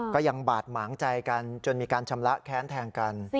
ก็ยังบาดหมางใจกันจนมีการชำระแค้นแทงกัน